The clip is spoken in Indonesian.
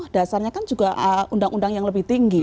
dasarnya kan juga undang undang yang lebih tinggi